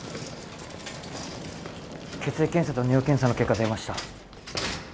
血液検査と尿検査の結果出ました。